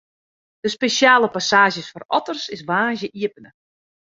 De spesjale passaazje foar otters is woansdei iepene.